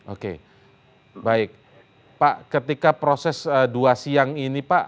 oke baik pak ketika proses dua siang ini pak